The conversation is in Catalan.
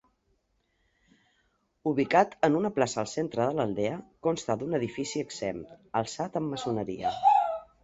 Ubicat en una plaça al centre de l'aldea, consta d'un edifici exempt, alçat amb maçoneria.